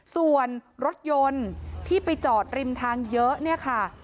ส่วนรถยนต์ที่ไปจอดริมทางเยอะเนี่ยค่ะ